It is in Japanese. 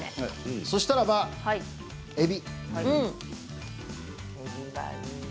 そしたらば、えび。